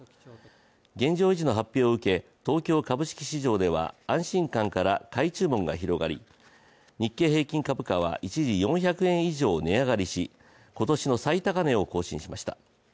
現状維持の発表を受け、東京株式市場では安心感から買い注文が広がり日経平均株価は一時４００円以上値上がりし今年の最高値を更新しました。